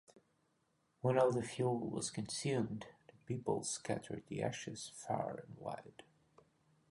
When all the fuel was consumed, the people scattered the ashes far and wide.